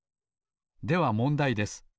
ではもんだいです。